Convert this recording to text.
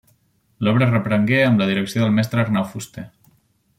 L'obra es reprengué amb la direcció del mestre Arnau Fuster.